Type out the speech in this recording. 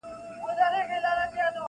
ژوند راته لنډوکی د شبنم راکه,